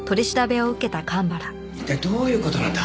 一体どういう事なんだ？